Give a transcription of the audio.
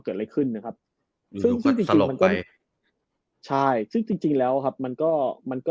เกิดอะไรขึ้นนะครับซึ่งซึ่งจริงแล้วครับมันก็มันก็